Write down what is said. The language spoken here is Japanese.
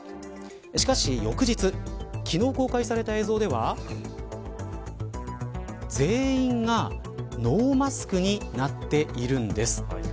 しかし翌日昨日公開された映像では全員がノーマスクになっているんです。